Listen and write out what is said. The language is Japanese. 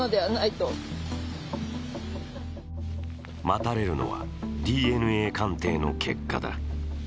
待たれるのはＤＮＡ鑑定の結果だ。